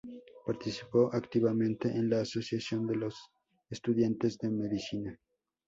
Participó activamente en la Asociación de los Estudiantes de Medicina.